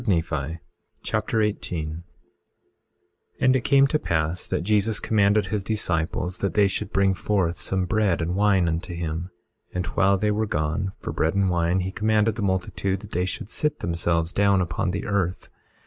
3 Nephi Chapter 18 18:1 And it came to pass that Jesus commanded his disciples that they should bring forth some bread and wine unto him. 18:2 And while they were gone for bread and wine, he commanded the multitude that they should sit themselves down upon the earth.